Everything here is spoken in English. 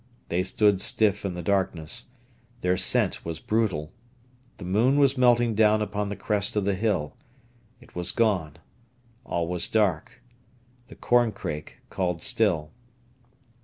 They stood stiff in the darkness. Their scent was brutal. The moon was melting down upon the crest of the hill. It was gone; all was dark. The corncrake called still.